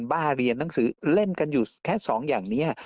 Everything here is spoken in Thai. บ้าเรียนหนังสือเล่นกันอยู่แค่สองอย่างนี้